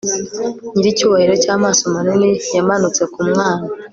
Nyiricyubahiro cyamaso manini yamanutse ku mwana